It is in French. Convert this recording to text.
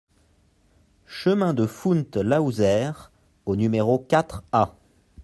Chemin de Fount Laouzert au numéro quatre A